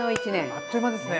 あっという間ですね！